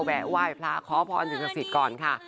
แวะไหว้พระขอพรสิ่งศักดิ์สิทธิ์ก่อนค่ะ